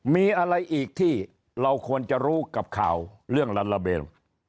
มีอะไรอีกที่เราควรจะรู้กับข่าวเรื่องลาลาเบล